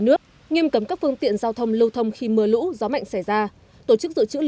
nước nghiêm cấm các phương tiện giao thông lâu thông khi mưa lũ gió mạnh xảy ra tổ chức dự trữ